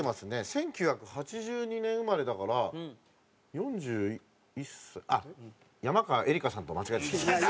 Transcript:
１９８２年生まれだから４１歳あっ山川恵里佳さんと間違えてしまいました。